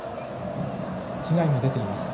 被害も出ています。